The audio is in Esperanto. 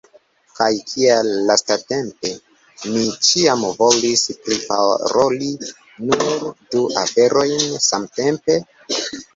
Kaj kial lastatempe, mi ĉiam volis priparoli nur du aferojn samtempe?